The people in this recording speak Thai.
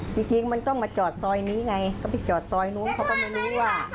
จริงจริงมันต้องมาจอดซอยนี้ไงเขาไปจอดซอยนู้นเขาก็ไม่รู้ว่า